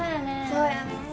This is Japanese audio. そうやね。